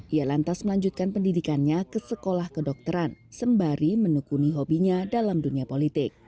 ia lantas melanjutkan pendidikannya ke sekolah kedokteran sembari menekuni hobinya dalam dunia politik